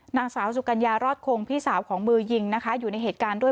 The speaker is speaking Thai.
นางสาวสุกัญญารอดคงพี่สาวของมือยิงนะคะอยู่ในเหตุการณ์ด้วย